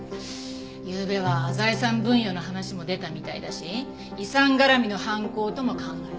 夕べは財産分与の話も出たみたいだし遺産絡みの犯行とも考えられる。